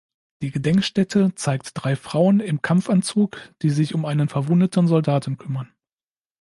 Die Gedenkstätte zeigt drei Frauen im Kampfanzug, die sich um einen verwundeten Soldaten kümmern.